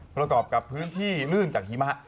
ประกอบกับพื้นที่ลื่นจากหิมะ